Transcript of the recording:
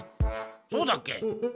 そうだっけ？